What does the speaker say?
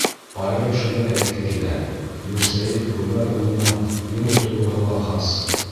Айырып шуны әйтке килә: Мирсәйет Ғүмәр улына юмор тойғоһо ла хас.